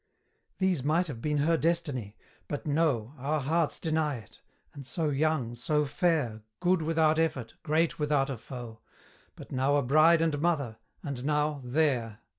These might have been her destiny; but no, Our hearts deny it: and so young, so fair, Good without effort, great without a foe; But now a bride and mother and now THERE!